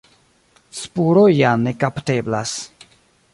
Spuroj jam ne kapteblas.